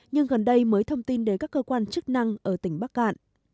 nhưng gần đây mới thông tin đến các cơ quan chức năng ở tỉnh bắc cạn